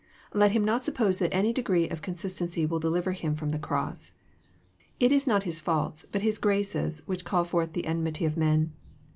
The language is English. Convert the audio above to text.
Let him not suppose that any degree of consistency will deliver him from this cross. It is not his faults, but his graces, which call forth the enmity of men.